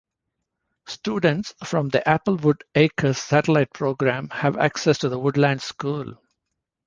Students from the Applewood Acres satellite program have access to The Woodlands School.